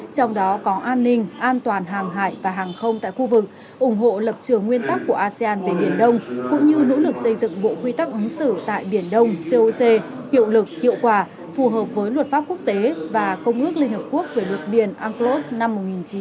cũng như nỗ lực xây dựng bộ quy tắc ứng xử tại biển đông coc hiệu lực hiệu quả phù hợp với luật pháp quốc tế và công ước liên hiệp quốc về luật biển anglos năm một nghìn chín trăm tám mươi hai